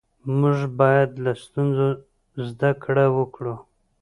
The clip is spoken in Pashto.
موږ باید له ستونزو زده کړه وکړو